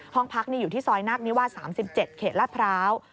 ห้องพักอยู่ที่ซอยนาคนิวาส๓๗เขตลาดพร้าว